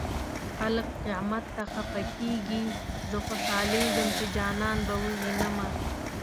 خلک قيامت ته خفه کيږي زه خوشالېږم چې جانان به ووينمه